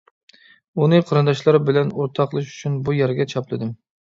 ئۇنى قېرىنداشلار بىلەن ئورتاقلىشىش ئۈچۈن بۇ يەرگە چاپلىدىم.